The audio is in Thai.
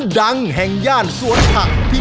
ดีเจนุ้ยสุดจีลา